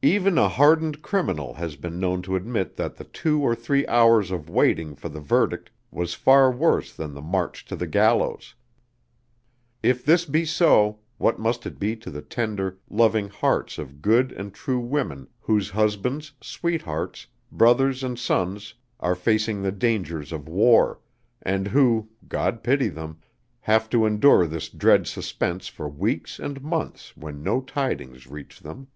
Even a hardened criminal has been known to admit that the two or three hours of waiting for the verdict was far worse than the march to the gallows. If this be so, what must it be to the tender, loving hearts of good and true women whose husbands, sweethearts, brothers and sons are facing the dangers of war, and who (God pity them) have to endure this dread suspense for weeks and months when no tidings reach them?